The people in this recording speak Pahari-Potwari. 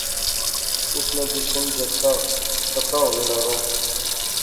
اس ناں جسم جثہ تتا ہونے لاغآ